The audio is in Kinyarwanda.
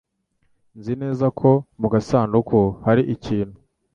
Nzi neza ko mu gasanduku hari ikintu.